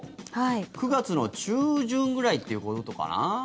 ９月の中旬ぐらいということかな。